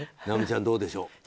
尚美ちゃん、どうでしょう？